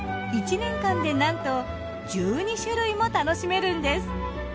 １年間でなんと１２種類も楽しめるんです。